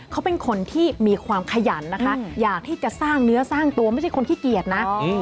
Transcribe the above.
เขาเป็นคนที่มีความขยันนะคะอยากที่จะสร้างเนื้อสร้างตัวไม่ใช่คนขี้เกียจนะ